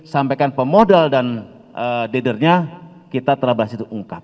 sampaikan pemodal dan dadernya kita telah berhasil diungkap